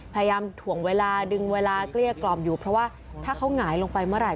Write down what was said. พยายามถ่วงเวลาดึงเวลาเกลี้ยกล่อมอยู่เพราะว่าถ้าเขาหงายลงไปเมื่อไห